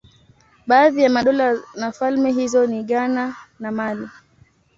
Baadhi ya madola na falme hizo ni Ghana na Mali.